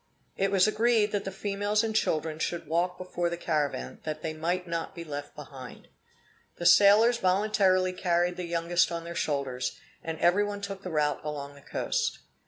It was agreed that the females and children should walk before the caravan, that they might not be left behind. The sailors voluntarily carried the youngest on their shoulders, and every one took the route along the coast.